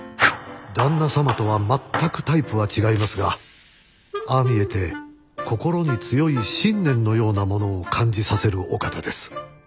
旦那様とは全くタイプは違いますがああ見えて心に強い信念のようなものを感じさせるお方です。